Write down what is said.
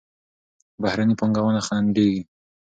بهرني پانګونه خنډېږي.